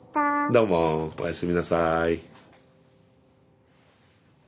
どうもおやすみなさい。